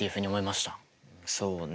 そうね。